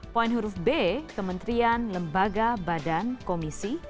poin huruf b kementerian lembaga badan komisi